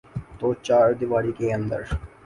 توچاردیواری کے اندر۔